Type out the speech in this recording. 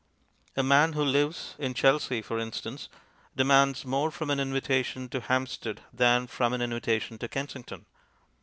A man who lives in Chelsea (for instance) demands more from an invitation to Hampstead than from an invitation to Kensington.